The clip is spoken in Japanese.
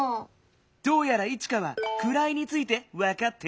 どうやらイチカは「くらい」についてわかってないみたいだね。